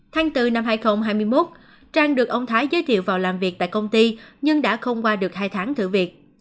tháng bốn năm hai nghìn hai mươi một trang được ông thái giới thiệu vào làm việc tại công ty nhưng đã không qua được hai tháng thử việc